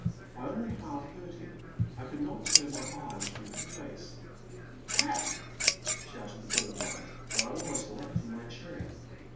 I only half heard him ; I could not turn my eyes from her face. '' Cat !*' shouted the bald one, and I almost leaped from my chair.